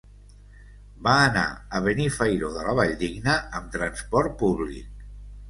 Va anar a Benifairó de la Valldigna amb transport públic.